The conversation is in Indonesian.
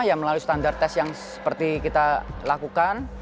ya melalui standar tes yang seperti kita lakukan